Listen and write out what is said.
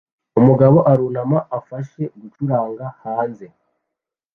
Umugabo arunama afashe gucuranga hanze